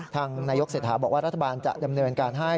ทางนายกเศรษฐาบอกว่ารัฐบาลจะดำเนินการให้